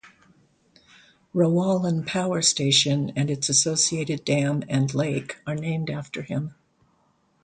Rowallan Power Station and its associated dam and lake are named after him.